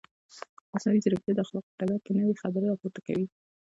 مصنوعي ځیرکتیا د اخلاقو په ډګر کې نوې خبرې راپورته کوي.